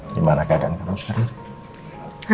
gimana keadaan kamu sekarang